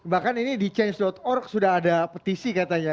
bahkan ini di change org sudah ada petisi katanya